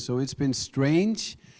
jadi itu sangat aneh